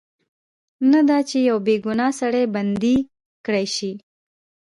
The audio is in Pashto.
نه دا چې یو بې ګناه سړی بندي کړای شي.